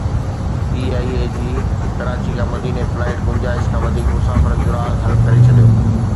P I A جي ڪراچي کان مديني فلائيٽ گنجائش کان وڌيڪ مسافرن جو راز حل ڪري ڇڏيو